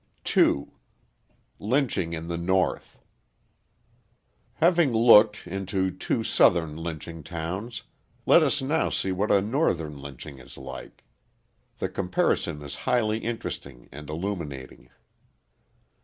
II. LYNCHING IN THE NORTH Having looked, into two Southern lynching towns, let us now see what a Northern lynching is like. The comparison is highly interesting and illuminating.